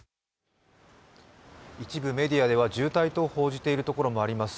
一部メディアでは重体と報じているところもあります。